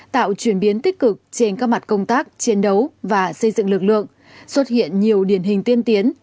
tạo chuyển biến tích cực trên các mặt công tác chiến đấu và xây dựng lực lượng xuất hiện nhiều điển hình tiên tiến